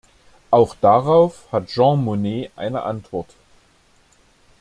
Auch darauf hat Jean Monnet eine Antwort.